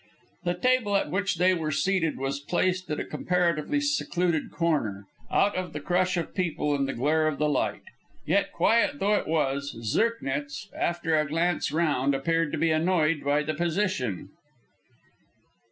The table at which they were seated was placed at a comparatively secluded corner, out of the crush of people and the glare of the light. Yet, quiet though it was, Zirknitz, after a glance round, appeared to be annoyed by the position.